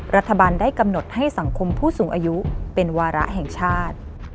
รัฐบาลได้กำหนดให้สังคมผู้สูงอายุเป็นวาระแห่งชาติ